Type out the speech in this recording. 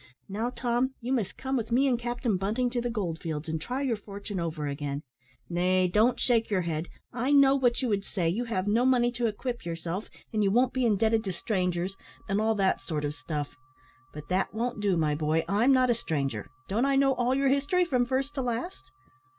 Now, Tom, you must come with me and Captain Bunting to the gold fields, and try your fortune over again nay, don't shake your head, I know what you would say, you have no money to equip yourself, and you won't be indebted to strangers, and all that sort of stuff; but that won't do, my boy. I'm not a stranger; don't I know all your history from first to last?"